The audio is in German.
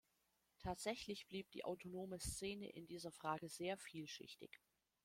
Tatsächlich blieb die autonome Szene in dieser Frage sehr vielschichtig.